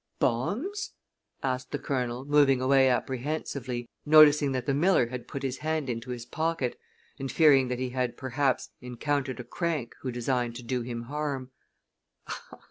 "Bombs?" asked the Colonel, moving away apprehensively, noticing that the miller had put his hand into his pocket, and fearing that he had, perhaps, encountered a crank who designed to do him harm.